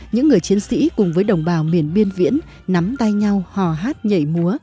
những người chiến sĩ cùng với đồng bào miền biên viễn nắm tay nhau hò hát nhảy múa